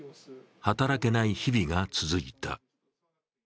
働けない日々が続いた。